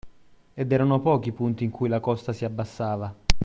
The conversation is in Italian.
Ed erano pochi i punti in cui la costa si abbassava